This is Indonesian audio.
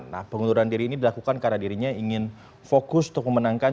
nah pengunduran diri ini dilakukan karena dirinya ingin fokus untuk memenangkan